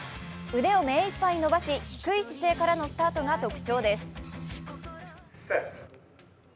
腕を目一杯伸ばし、低い姿勢からのスタートが特徴です。